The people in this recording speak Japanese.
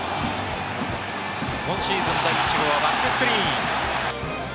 今シーズン第１号はバックスクリーン。